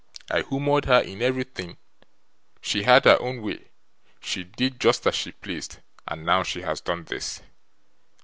I humoured her in everything, she had her own way, she did just as she pleased, and now she has done this.